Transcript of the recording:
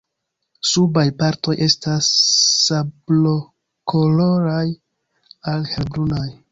Subaj partoj estas sablokoloraj al helbrunaj.